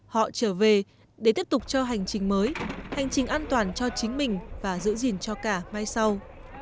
họ trở về để tiếp tục cho hành trình mới hành trình an toàn cho chính mình và giữ gìn cho cả mai sau